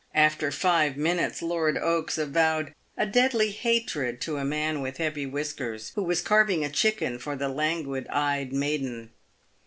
After five minutes, Lord Oaks avowed a deadly hatred to a man with heavy whiskers, who was carving a chicken for the languid eyed maiden.